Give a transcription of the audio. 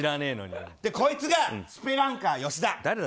こいつがスペランカーヨシダ。